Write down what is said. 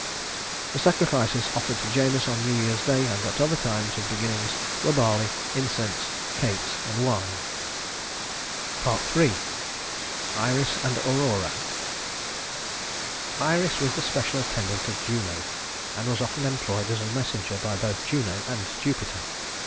The sacrifices offered to Janus on New Year's day and at other times of beginnings were barley, incense, cakes, and wine. III. Iris and Aurora Iris was the special attendant of Juno, and was often employed as a messenger by both Juno and Jupiter.